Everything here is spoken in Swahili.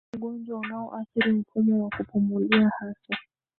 ugonjwa unaoathiri mfumo wa kupumulia hasa